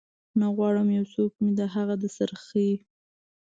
نه غواړم یو څوک مې د هغه د سرخۍ